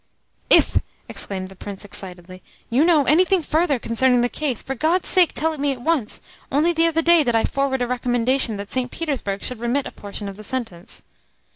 "If," exclaimed the Prince excitedly, "you know anything further concerning the case, for God's sake tell it me at once. Only the other day did I forward a recommendation that St. Petersburg should remit a portion of the sentence."